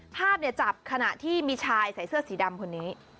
ภาพจับขณะที่มีชายใส่เสื้อสีดำคนนี้